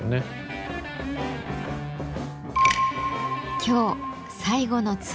今日最後のツボ